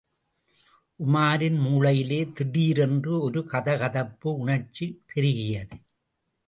உமாரின் மூளையிலே திடீரென்று ஒரு கதகதப்பு உணர்ச்சி பெருகியது.